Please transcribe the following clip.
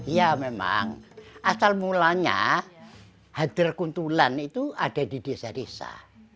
ya memang asal mulanya hadir kuntulan itu ada di desa desa